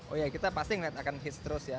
oh iya kita pasti akan hit terus ya